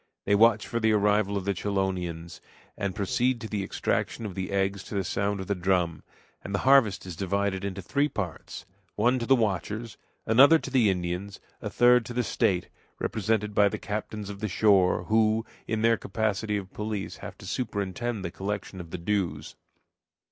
They watch for the arrival of the chelonians, and proceed to the extraction of the eggs to the sound of the drum; and the harvest is divided into three parts one to the watchers, another to the Indians, a third to the state, represented by the captains of the shore, who, in their capacity of police, have to superintend the collection of the dues.